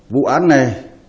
vụ án này